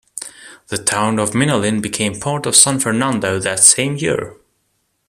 The town of Minalin became part of San Fernando that same year.